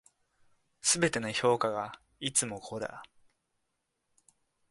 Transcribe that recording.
全ての評価がいつも五だ。